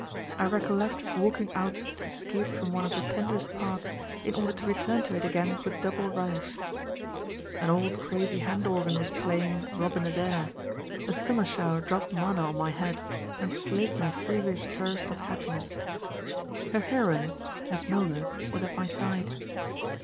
I recollect walking out to escape from one of the tenderest parts, in order to return to it again with double relish. An old crazy hand organ was playing Eobin Adair, a summer shower dropped manna on my head, and slaked my feverish thirst of happiness. Her heroine, Miss Milner, was at my side.